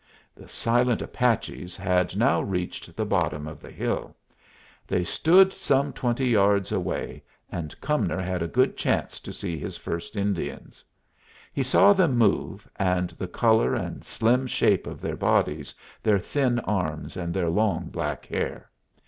The silent Apaches had now reached the bottom of the hill. They stood some twenty yards away, and Cumnor had a good chance to see his first Indians. He saw them move, and the color and slim shape of their bodies, their thin arms, and their long, black hair.